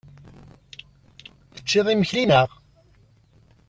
Tecciḍ imekli, naɣ?